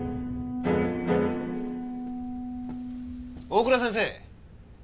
大倉先生！